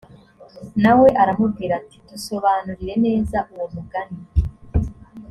na we aramubwira ati dusobanurire neza uwo mugani